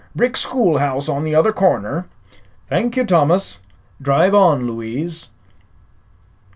Brick schoolhouse on the other corner." "Thank you, Thomas. Drive on, Louise."